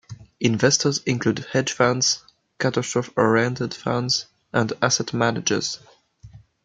Investors include hedge funds, catastrophe-oriented funds, and asset managers.